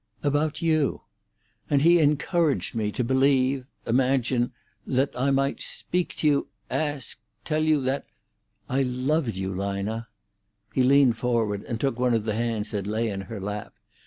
"About you. And he encouraged me to believe—imagine—that I might speak to you—ask—tell you that—I loved you, Lina." He leaned forward and took one of the hands that lay in her lap.